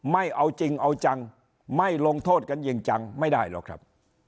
ไม่เอาจริงเอาจังไม่ลงโทษกันอย่างจังไม่ได้หรอกครับ